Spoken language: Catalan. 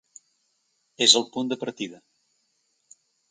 És el punt de partida.